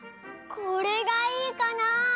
これがいいかな？